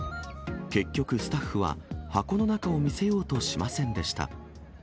結局スタッフは、箱の中を見せようとしませんでした。